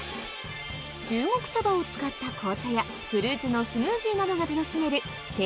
中国茶葉を使った紅茶やフルーツのスムージーなどが楽しめる鼎